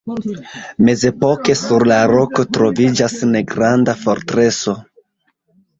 Mezepoke sur la roko troviĝis negranda fortreso.